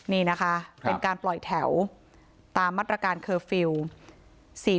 นี่นะคะเป็นการปล่อยแถวตามมาตรการเคอร์ฟิลล์